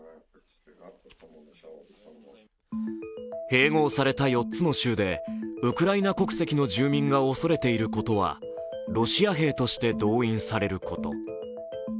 併合された４つの州でウクライナ国籍の住民が恐れていることはロシア兵として動員されること。